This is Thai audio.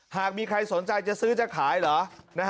หากมีใครสนใจจะซื้อจะขายเหรอ